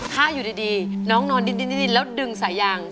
ถ้าอยู่ดีน้องนอนดินแล้วดึงสายยาง